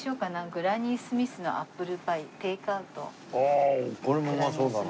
グラニースミスのアップルパイテイクアウト。